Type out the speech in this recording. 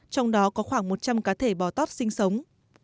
trong đó có khoảng một trăm linh cá thể bò tóp sinh sống